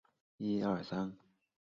丁福保之子。